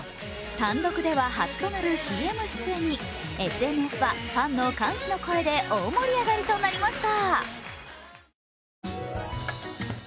単独では初となるＣＭ出演に、ＳＮＳでファンの歓喜の声で大盛り上がりとなりました。